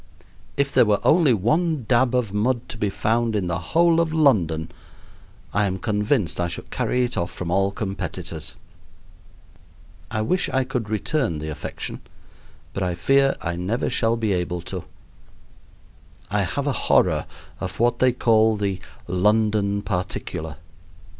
If there were only one dab of mud to be found in the whole of London, I am convinced I should carry it off from all competitors. I wish I could return the affection, but I fear I never shall be able to. I have a horror of what they call the "London particular."